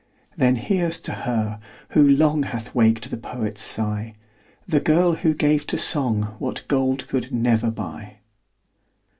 Then here's to her, who long Hath waked the poet's sigh, The girl who gave to song What gold could never buy.